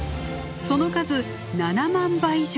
その数７万羽以上。